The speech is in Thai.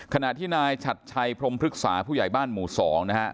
ขณะที่นายฉัดชัยพรมพฤกษาผู้ใหญ่บ้านหมู่๒นะฮะ